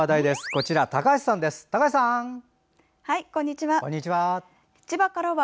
こんにちは。